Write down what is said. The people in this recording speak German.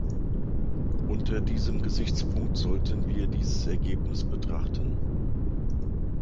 Unter diesem Gesichtspunkt sollten wir dieses Ergebnis betrachten.